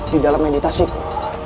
di dalam meditasiku